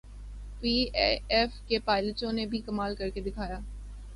P A F کے پائلٹوں نے بھی کمال کرکے دکھایا۔